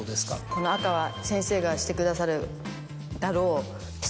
この赤は先生がしてくださるだろう質問ですね。